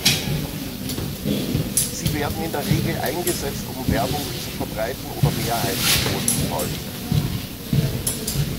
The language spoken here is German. Sie werden in der Regel eingesetzt, um Werbung zu verbreiten oder Mehrheiten vorzutäuschen.